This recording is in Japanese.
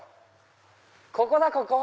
ここだここ！